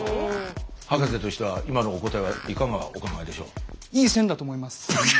博士としては今のお答えはいかがお考えでしょう？